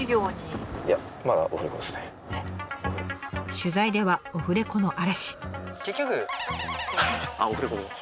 取材ではオフレコの嵐。